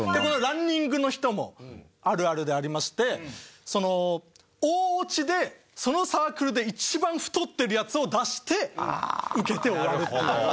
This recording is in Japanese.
このランニングの人もあるあるでありまして大オチでそのサークルで一番太ってるヤツを出してウケて終わるという。